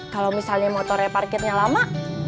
kalau misalnya motornya parkirnya lama